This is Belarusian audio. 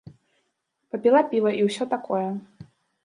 Папіла піва і ўсё такое.